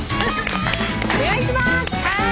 お願いします！